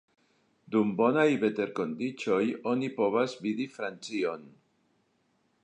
Dum bonaj veterkondiĉoj oni povas vidi Francion.